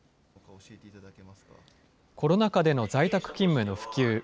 コロナ禍での在宅勤務の普及。